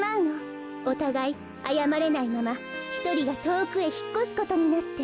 おたがいあやまれないままひとりがとおくへひっこすことになって。